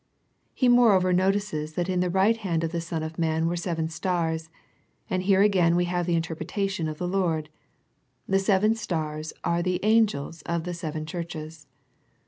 He moreover notices that in the right hand of the Son of man were seven stars, and here again we have the interpretation of the Lord, " The seven stars are the angels of the seven churches."